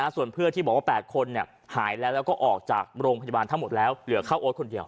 ส่วนเพื่อนที่บอกว่า๘คนหายแล้วแล้วก็ออกจากโรงพยาบาลทั้งหมดแล้วเหลือข้าวโอ๊ตคนเดียว